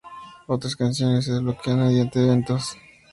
Otras canciones se desbloquean mediante eventos.